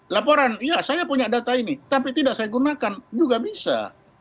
laporan iya saya punya data ini tapi tidak saya gunakan juga bisa